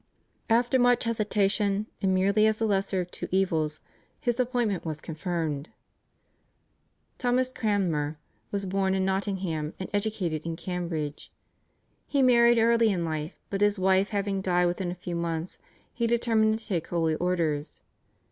After much hesitation, and merely as the lesser of two evils, his appointment was confirmed. Thomas Cranmer was born in Nottingham, and educated in Cambridge. He married early in life, but his wife having died within a few months, he determined to take holy orders.